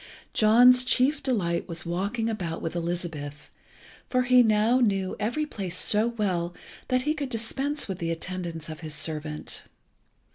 John's chief delight was walking about with Elizabeth, for he now knew every place so well that he could dispense with the attendance of his servant.